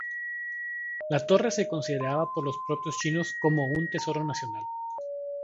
La torre se consideraba por los propios chinos como un tesoro nacional.